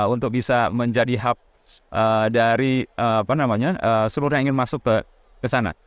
untuk bisa menjadi hub dari seluruh yang ingin masuk ke sana